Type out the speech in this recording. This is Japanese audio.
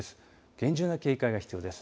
厳重な警戒が必要です。